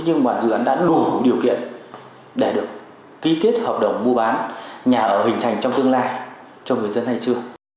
nhưng mà dự án đã đủ điều kiện để được ký kết hợp đồng mua bán nhà ở hình thành trong tương lai cho người dân hay chưa